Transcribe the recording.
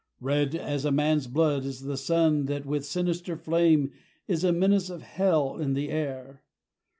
Red as man's blood is the sun that, with sinister Flame, is a menace of hell in the air.